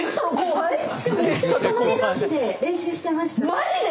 マジで！？